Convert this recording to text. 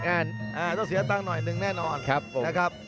อ่าต้องเสียตังค์หน่อยหนึ่งแน่นอนครับผมนะครับ